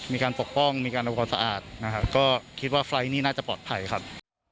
มีการปกป้องมีการระวังสะอาดก็คิดว่าไฟล์นี้น่าจะปลอดภัยครับ